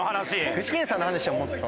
具志堅さんの話をもっと。